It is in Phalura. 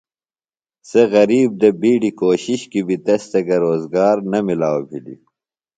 .سےۡ غریب دےۡ۔ِبیڈیۡ کوشش کی بیۡ تس تھےۡ گہ روزگار نہ مِلاؤ بھلیۡ۔